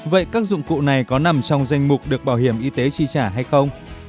vậy các dụng cụ này có nằm trong danh mục được bảo hiểm y tế chi trả hay không